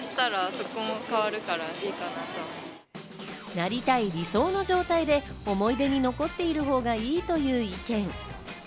なりたい理想の状態で思い出に残っているほうがいいという意見。